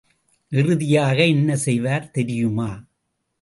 இறுதியாக என்ன செய்வார் தெரியுமா?